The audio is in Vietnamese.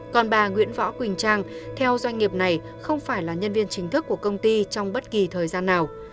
còn bà nguyễn võ quỳnh trang theo doanh nghiệp này không phải là nhân viên chính thức của công ty trong bất kỳ thời gian nào